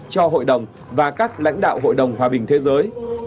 cho hội đồng và các lãnh đạo hội đồng hòa bình thế giới